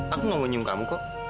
aku nggak mau nyum kamu kok